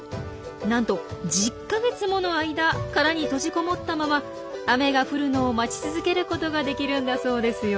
なんと１０か月もの間殻に閉じこもったまま雨が降るのを待ち続けることができるんだそうですよ。